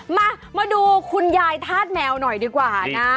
มาดูคุณยายธาตุแมวหน่อยดีกว่านะ